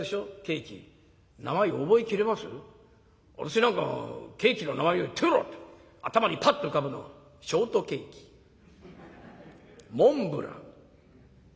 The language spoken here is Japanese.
私なんかケーキの名前を言ってみろって頭にパッと浮かぶのはショートケーキモンブラン。